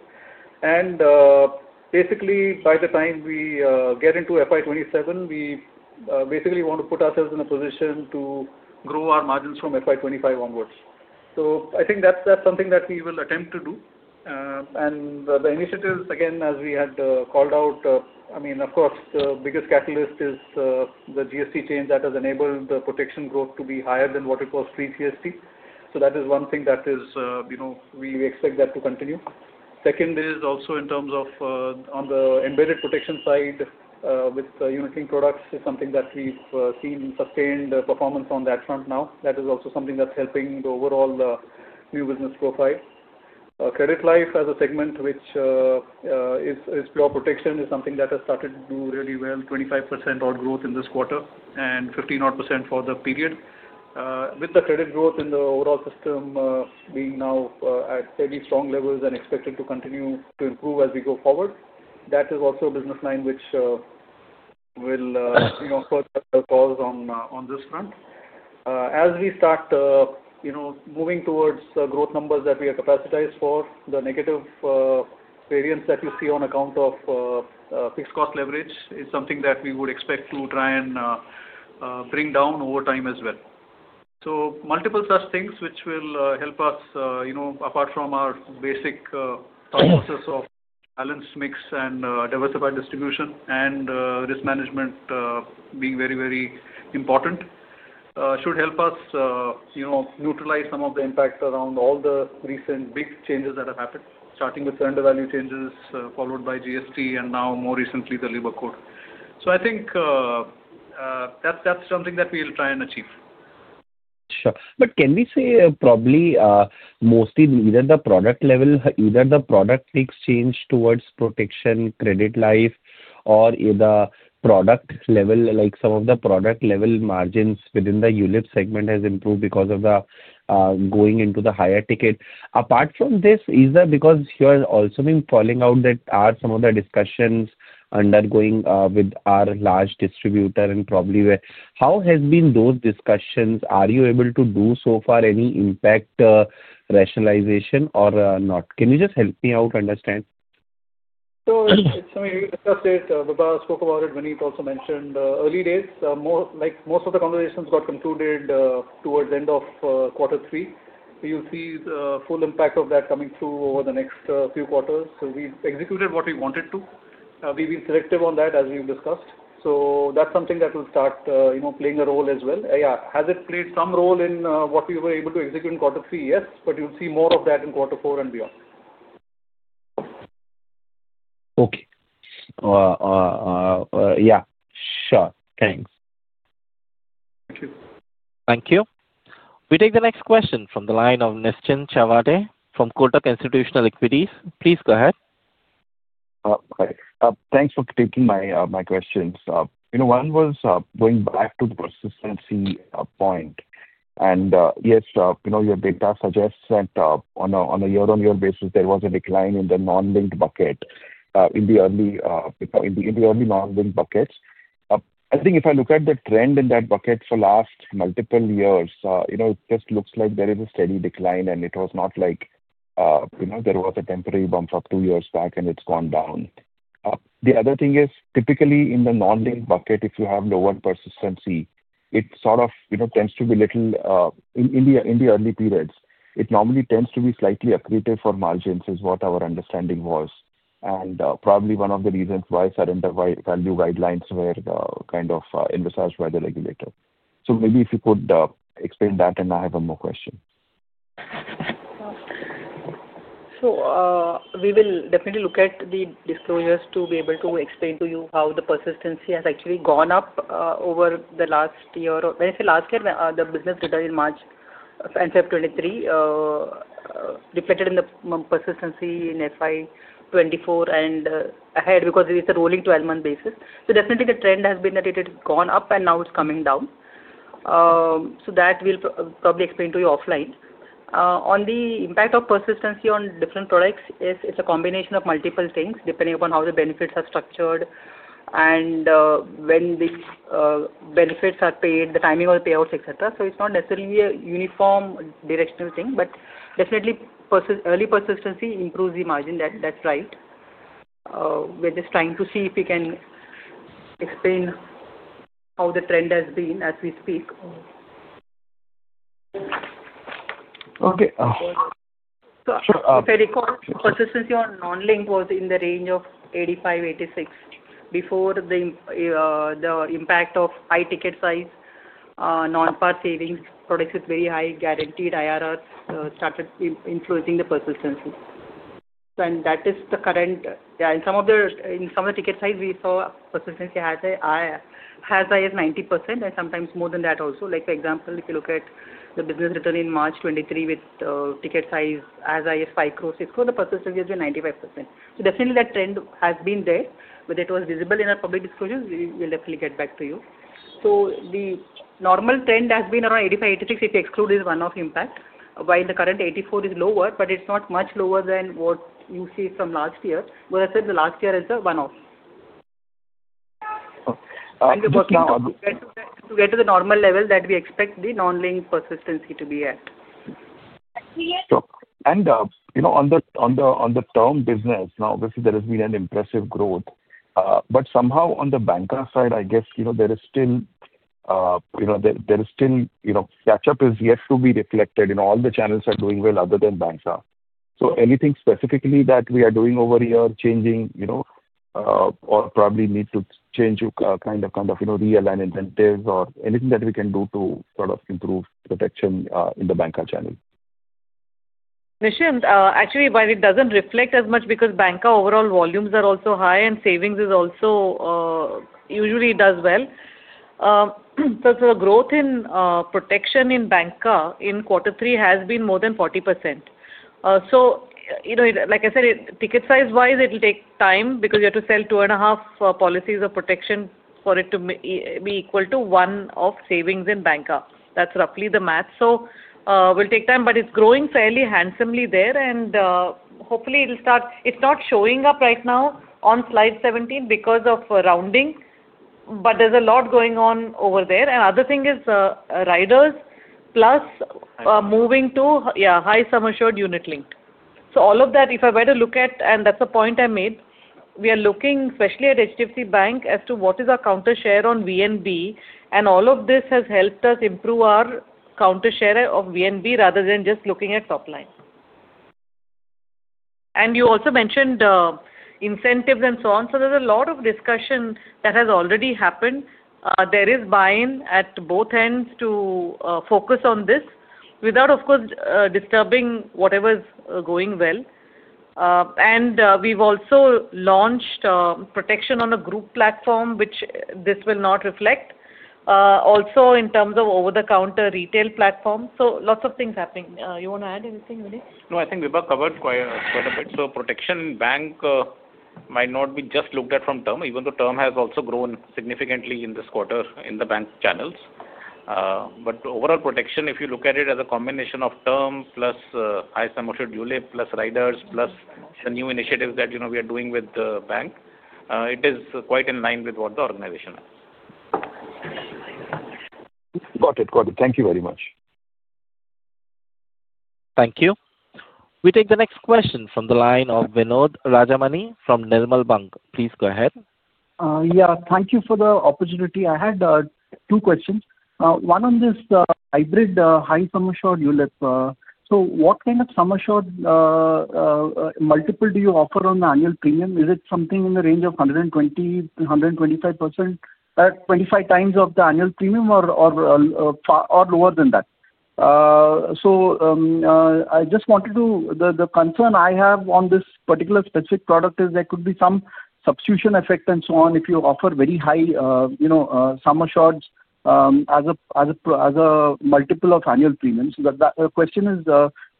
Basically, by the time we get into FY 2027, we basically want to put ourselves in a position to grow our margins from FY 2025 onwards. I think that's something that we will attempt to do. The initiatives, again, as we had called out, I mean, of course, the biggest catalyst is the GST change that has enabled the protection growth to be higher than what it was pre-GST. That is one thing that we expect that to continue. Second is also in terms of on the embedded protection side with unit-linked products is something that we've seen sustained performance on that front now. That is also something that's helping the overall new business profile. Credit life as a segment, which is pure protection, is something that has started to do really well, 25%-odd growth in this quarter and 15%-odd for the period. With the credit growth in the overall system being now at fairly strong levels and expected to continue to improve as we go forward, that is also a business line which will further cause on this front. As we start moving towards the growth numbers that we are capacitated for, the negative variance that you see on account of fixed cost leverage is something that we would expect to try and bring down over time as well. So multiple such things which will help us, apart from our basic process of balanced mix and diversified distribution and risk management being very, very important, should help us neutralize some of the impact around all the recent big changes that have happened, starting with surrender value changes followed by GST and now more recently the Labour Code. So I think that's something that we'll try and achieve. Sure. But can we say probably mostly either the product level, either the product takes change towards protection, credit life, or either product level, like some of the product level margins within the ULIPs segment has improved because of the going into the higher ticket. Apart from this, is there because you are also being calling out that are some of the discussions undergoing with our large distributor and probably how has been those discussions? Are you able to do so far any impact rationalization or not? Can you just help me out to understand? So it's something we discussed it. Bada spoke about it when he also mentioned early days. Most of the conversations got concluded towards the end of quarter three. You'll see the full impact of that coming through over the next few quarters. So we executed what we wanted to. We've been selective on that as we've discussed. So that's something that will start playing a role as well. Yeah. Has it played some role in what we were able to execute in quarter three? Yes. But you'll see more of that in quarter four and beyond. Okay. Yeah. Sure. Thanks. Thank you. Thank you. We take the next question from the line of Nischint Chawathe from Kotak Institutional Equities. Please go ahead. Thanks for taking my questions. One was going back to the persistency point. And yes, your data suggests that on a year-on-year basis, there was a decline in the non-linked bucket in the early non-linked buckets. I think if I look at the trend in that bucket for last multiple years, it just looks like there is a steady decline, and it was not like there was a temporary bump for two years back, and it's gone down. The other thing is, typically in the non-linked bucket, if you have lower persistency, it sort of tends to be little in the early periods. It normally tends to be slightly accretive for margins is what our understanding was, and probably one of the reasons why surrender value guidelines were kind of envisaged by the regulator, so maybe if you could explain that, and I have one more question. We will definitely look at the disclosures to be able to explain to you how the persistency has actually gone up over the last year. When I say last year, the business returned in March and February 2023, reflected in the persistency in FY 2024 and ahead because it's a rolling 12-month basis. So definitely, the trend has been that it has gone up, and now it's coming down. So that we'll probably explain to you offline. On the impact of persistency on different products, it's a combination of multiple things depending upon how the benefits are structured and when these benefits are paid, the timing of the payouts, etc. So it's not necessarily a uniform directional thing, but definitely early persistency improves the margin. That's right. We're just trying to see if we can explain how the trend has been as we speak. Okay. Sure. If I recall, persistency on non-linked was in the range of 85%-86% before the impact of high ticket size, non-par savings, products with very high guaranteed IRRs started influencing the persistency. And that is the current. Yeah. In some of the ticket size, we saw persistency has higher 90% and sometimes more than that also. For example, if you look at the business written in March 2023 with ticket size as high as INR 5 crores, INR 6 crores, the persistency has been 95%. So definitely, that trend has been there, but it was visible in our public disclosures. We'll definitely get back to you. So the normal trend has been around 85%-86% if you exclude this one-off impact, while the current 84% is lower, but it's not much lower than what you see from last year. But I said the last year is a one-off. We're working to get to the normal level that we expect the non-linked persistency to be at. On the term business, now obviously there has been an impressive growth. But somehow on the banca side, I guess there is still catch-up yet to be reflected in all the channels that are doing well other than banca. So anything specifically that we are doing over here, changing or probably need to change, kind of realign incentives or anything that we can do to sort of improve protection in the banca channel? Nischint, actually, but it doesn't reflect as much because banca overall volumes are also high, and savings also usually does well. So the growth in protection in banca in quarter three has been more than 40%. So like I said, ticket size-wise, it'll take time because you have to sell two and a half policies of protection for it to be equal to one of savings in bancassurance. That's roughly the math. So it will take time, but it's growing fairly handsomely there. And hopefully, it'll start. It's not showing up right now on slide 17 because of rounding, but there's a lot going on over there. And other thing is riders plus moving to, yeah, high sum assured unit-linked. So all of that, if I were to look at, and that's a point I made, we are looking especially at HDFC Bank as to what is our counter share on VNB, and all of this has helped us improve our counter share of VNB rather than just looking at top line. And you also mentioned incentives and so on. So there's a lot of discussion that has already happened. There is buy-in at both ends to focus on this without, of course, disturbing whatever is going well. And we've also launched protection on a group platform, which this will not reflect. Also in terms of over-the-counter retail platform. So lots of things happening. You want to add anything, Vineet? No, I think we've covered quite a bit. So protection in bank might not be just looked at from term, even though term has also grown significantly in this quarter in the bank channels. But overall protection, if you look at it as a combination of term plus high sum assured ULIP plus riders plus the new initiatives that we are doing with the bank, it is quite in line with what the organization has. Got it. Thank you very much. Thank you. We take the next question from the line of Vinod Rajamani from Nirmal Bang. Please go ahead. Yeah. Thank you for the opportunity. I had two questions. One on this hybrid high sum assured ULIP. So what kind of sum assured multiple do you offer on the annual premium? Is it something in the range of 120%, 125%, 25x of the annual premium or lower than that? So I just wanted to the concern I have on this particular specific product is there could be some substitution effect and so on if you offer very high sum assureds as a multiple of annual premiums. The question is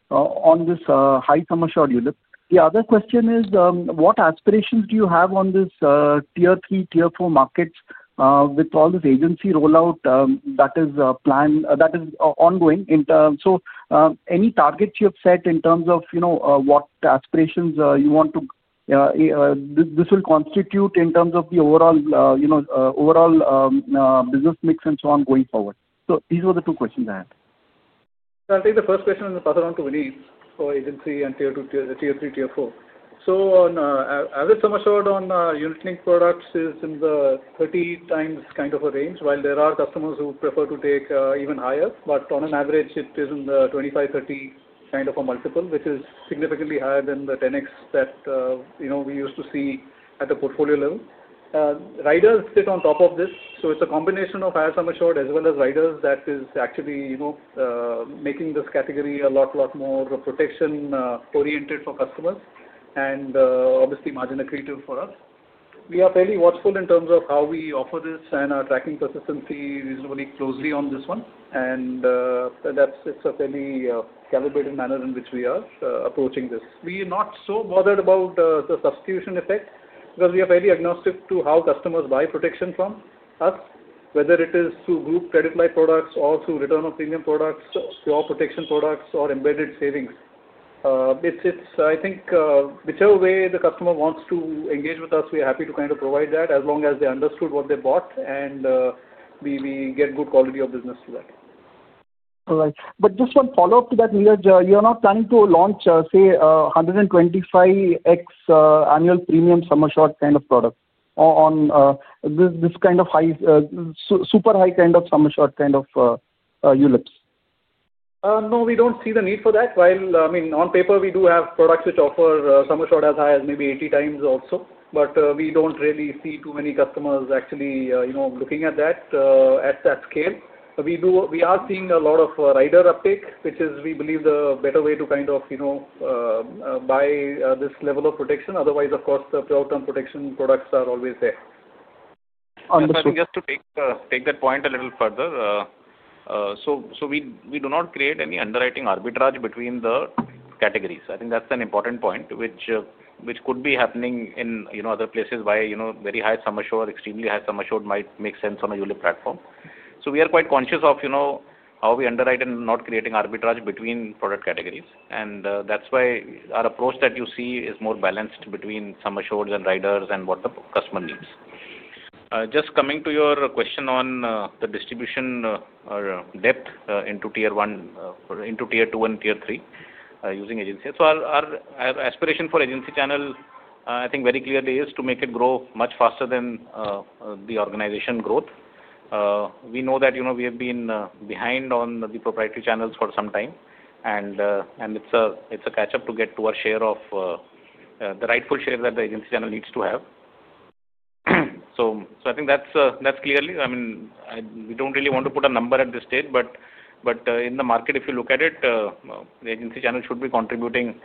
on this high sum assured ULIP. The other question is, what aspirations do you have on this Tier 3, Tier 4 markets with all this agency rollout that is ongoing? So, any targets you have set in terms of what aspirations you want to this will constitute in terms of the overall business mix and so on going forward? So, these were the two questions I had. So, I'll take the first question and pass it on to Vineet for agency and Tier 3, Tier 4. So, average sum assured on unit-linked products is in the 30x kind of a range, while there are customers who prefer to take even higher. But on an average, it is in the 25x-30x kind of a multiple, which is significantly higher than the 10x that we used to see at the portfolio level. Riders sit on top of this. So, it's a combination of high sum assured as well as riders that is actually making this category a lot, lot more protection-oriented for customers and obviously margin accretive for us. We are fairly watchful in terms of how we offer this and are tracking persistency reasonably closely on this one. That's a fairly calibrated manner in which we are approaching this. We are not so bothered about the substitution effect because we are fairly agnostic to how customers buy protection from us, whether it is through group credit life products or through return of premium products, pure protection products, or embedded savings. I think whichever way the customer wants to engage with us, we are happy to kind of provide that as long as they understood what they bought, and we get good quality of business through that. All right. Just one follow-up to that, Vineet, you are not planning to launch, say, 125x annual premium sum assured kind of product on this kind of super high kind of sum assured kind of ULIPs? No, we don't see the need for that. I mean, on paper, we do have products which offer sum assured as high as maybe 80x also, but we don't really see too many customers actually looking at that at that scale. We are seeing a lot of rider uptake, which is, we believe, the better way to kind of buy this level of protection. Otherwise, of course, the short-term protection products are always there. Understood. Just to take that point a little further, so we do not create any underwriting arbitrage between the categories. I think that's an important point, which could be happening in other places where very high sum assured, extremely high sum assured might make sense on a ULIP platform. So we are quite conscious of how we underwrite and not creating arbitrage between product categories. That's why our approach that you see is more balanced between sum assureds and riders and what the customer needs. Just coming to your question on the distribution depth into Tier 1 one into Tier 2 and Tier 3 using agency. Our aspiration for agency channel, I think very clearly, is to make it grow much faster than the organization growth. We know that we have been behind on the proprietary channels for some time, and it's a catch-up to get to our share of the rightful share that the agency channel needs to have. I think that's clearly, I mean, we don't really want to put a number at this stage, but in the market, if you look at it, the agency channel should be contributing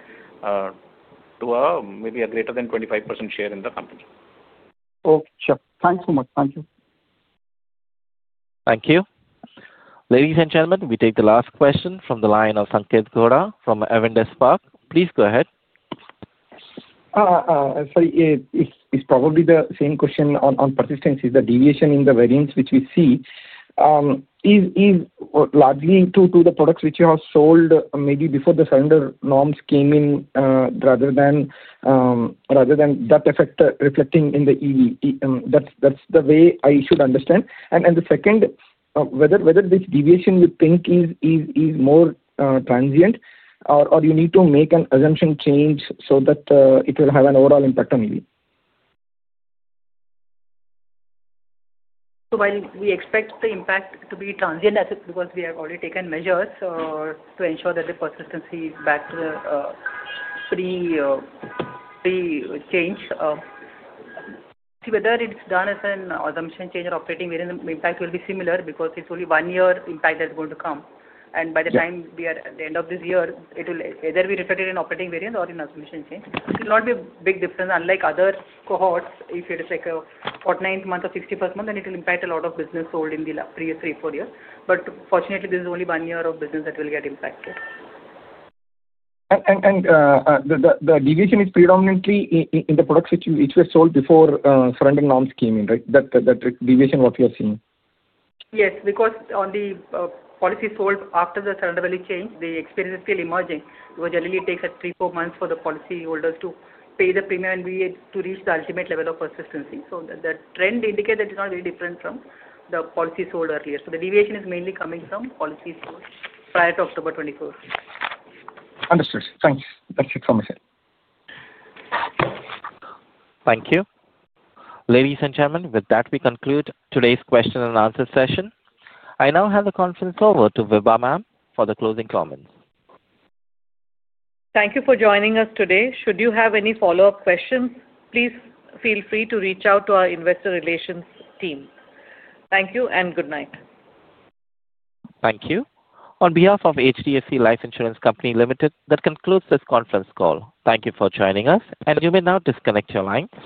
to maybe a greater than 25% share in the company. Okay. Sure. Thanks so much. Thank you. Thank you. Ladies and gentlemen, we take the last question from the line of Sanketh Godha from Avendus Spark. Please go ahead. Sorry. It's probably the same question on persistency. The deviation in the variance which we see is largely due to the products which you have sold maybe before the surrender norms came in rather than that effect reflecting in the EV. That's the way I should understand. And the second, whether this deviation you think is more transient or you need to make an assumption change so that it will have an overall impact on EV. So while we expect the impact to be transient because we have already taken measures to ensure that the persistency is back to the pre-change, see whether it's done as an assumption change or operating variance, the impact will be similar because it's only one year impact that's going to come. By the time we are at the end of this year, it will either be reflected in operating variance or in assumption change. It will not be a big difference, unlike other cohorts. If it is like the 49th month or 61st month, then it will impact a lot of business sold in the previous three, four years. But fortunately, this is only one year of business that will get impacted. The deviation is predominantly in the products which were sold before surrender norms came in, right? That deviation, what you are seeing? Yes. Because on the policy sold after the surrender value change, the experience is still emerging. It will generally take three to four months for the policyholders to pay the premium and be able to reach the ultimate level of persistency. So the trend indicates that it's not very different from the policy sold earlier. So the deviation is mainly coming from policy sold prior to October 24th. Understood. Thanks. That's it from my side. Thank you. Ladies and gentlemen, with that, we conclude today's question and answer session. I now hand the conference over to Vibha ma'am for the closing comments. Thank you for joining us today. Should you have any follow-up questions, please feel free to reach out to our investor relations team. Thank you and good night. Thank you. On behalf of HDFC Life Insurance Company Limited, that concludes this conference call. Thank you for joining us, and you may now disconnect your line.